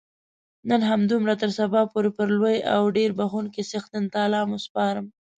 نن همدومره تر سبا پورې پر لوی او ډېر بخښونکي څښتن تعالا مو سپارم.